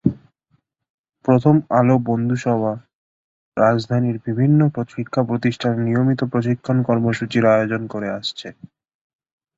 প্রথম আলো বন্ধুসভা রাজধানীর বিভিন্ন শিক্ষাপ্রতিষ্ঠানে নিয়মিত প্রশিক্ষণ কর্মসূচির আয়োজন করে আসছে।